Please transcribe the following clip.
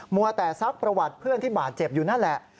วัวแต่ซักประวัติเพื่อนที่บาดเจ็บอยู่นั่นแหละ